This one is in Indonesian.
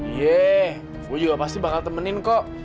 iya gue juga pasti bakal nemenin kok